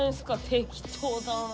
適当だな。